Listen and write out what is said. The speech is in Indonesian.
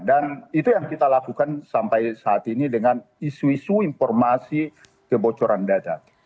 dan itu yang kita lakukan sampai saat ini dengan isu isu informasi kebocoran data